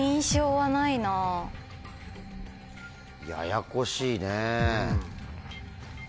ややこしいね。